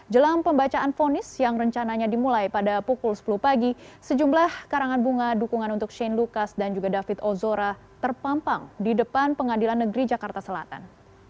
jelang pembacaan fonis yang rencananya dimulai pada pukul sepuluh pagi sejumlah karangan bunga dukungan untuk shane lucas dan juga david ozora terpampang di depan pengadilan negeri jakarta selatan